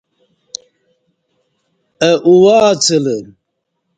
اہ اُواڅلہ